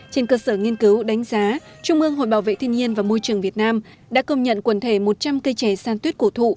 trên cơ sở nghiên cứu đánh giá trung ương hội bảo vệ thiên nhiên và môi trường việt nam đã công nhận quần thể một trăm linh cây trẻ san tuyết cổ thụ